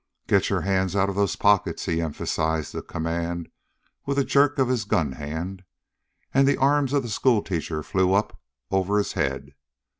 "Get your hands out of those pockets!" He emphasized the command with a jerk of his gun hand, and the arms of the schoolteacher flew up over his head.